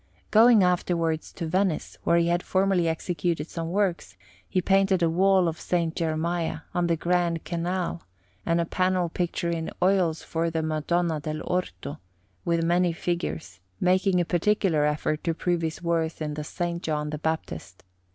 Going afterwards to Venice, where he had formerly executed some works, he painted a wall of S. Geremia, on the Grand Canal, and a panel picture in oils for the Madonna del Orto, with many figures, making a particular effort to prove his worth in the S. John the Baptist.